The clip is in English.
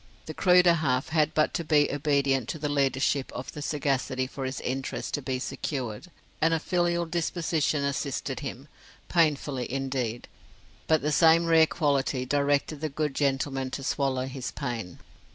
The cruder half had but to be obedient to the leadership of sagacity for his interests to be secured, and a filial disposition assisted him; painfully indeed; but the same rare quality directed the good gentleman to swallow his pain.